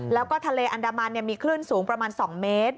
แล้วก็ทะเลอันดามันมีคลื่นสูงประมาณ๒เมตร